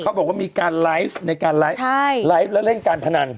บอกว่ามีการไลฟ์ในการไลฟ์ไลฟ์และเล่นการพนัน